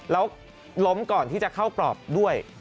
แล้วล้มก่อนที่จะเข้ากรอบด้วย